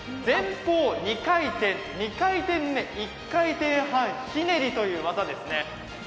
前方２回転、２回転目に１回転ひねりという技ですね。